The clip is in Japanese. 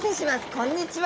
こんにちは。